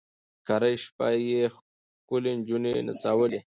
کرۍ شپه یې ښکلي نجوني نڅولې